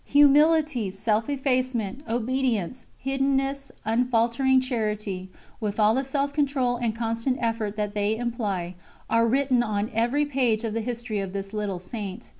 Humility, self effacement, obedience, hiddenness, unfaltering charity, with all the self control and constant effort that they imply, are written on every page of the history of this little Saint.